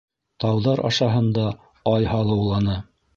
Тауҙар ашаһында Ай һалыуланы.